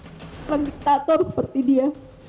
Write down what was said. seorang diktator seperti dia